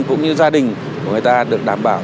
cũng như gia đình của người ta được đảm bảo